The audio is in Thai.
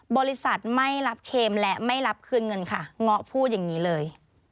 บริษัทไม่รับเคมและไม่รับคืนเงินค่ะเงาะพูดอย่างนี้เลย